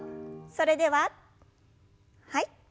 それでははい。